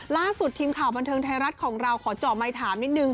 ล่าสุดทีมข่าวบันเทิงไทยรัฐของเราขอเจาะไมค์ถามนิดนึง